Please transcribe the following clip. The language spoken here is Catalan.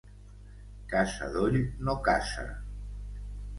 Ca sadoll no caça.